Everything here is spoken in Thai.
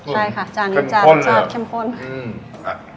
ใช่ค่ะจานนี้จัดเข้มข้น